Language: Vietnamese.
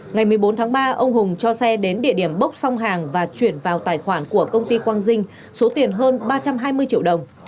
ngày một mươi bốn tháng ba ông hùng cho xe đến địa điểm bốc song hàng và chuyển vào tài khoản của công ty quang vinh số tiền hơn ba trăm hai mươi triệu đồng